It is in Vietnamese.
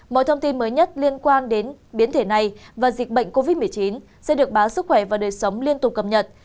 mọi thông tin mới nhất liên quan đến biến thể này và dịch bệnh covid một mươi chín sẽ được báo sức khỏe và đời sống liên tục cập nhật